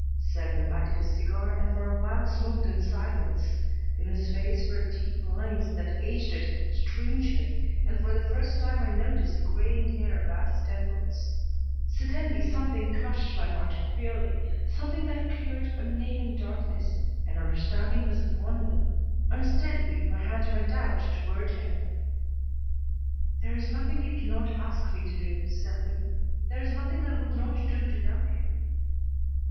Selwyn lighted his cigar and for a while smoked in silence. In his face were deep lines that aged it strangely and for the first time I noticed graying hair about his temples. Suddenly something clutched my heart queerly, something that cleared unnaming darkness, and understanding was upon me. Unsteadily my hand went out toward him. "There is nothing you cannot ask me to do, Selwyn. There is nothing I would not do to help you."